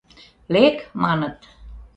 «Лек! — маныт.